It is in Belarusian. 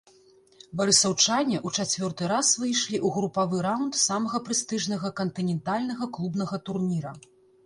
Барысаўчане ў чацвёрты раз выйшлі ў групавы раўнд самага прэстыжнага кантынентальнага клубнага турніра.